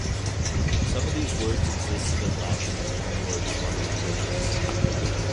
Some of these words existed in Latin as loanwords from other languages.